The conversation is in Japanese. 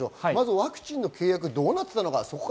ワクチンの契約がどうなっていたのかです。